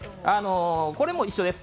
これも一緒です。